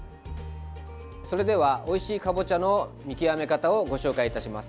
それでは、おいしいかぼちゃの見極め方をご紹介いたします。